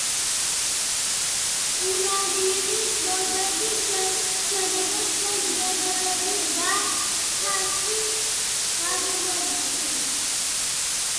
ტურნირის მოგების შედეგად ჩვენ მედლები და თასი გადმოგვცეს